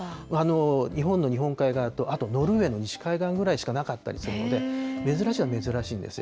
日本の日本海側と、あと、ノルウェーの西海岸ぐらいしかなかったりするので、珍しいは珍しいんですよ。